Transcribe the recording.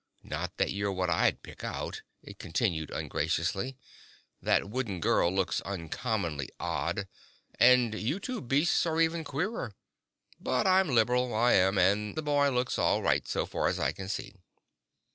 Not that you're what I'd pick out," it continued ungraciously. "That wooden girl looks uncommonly odd and you two beasts are even queerer. But I'm liberal, I am, and the boy looks all right so far as I can see."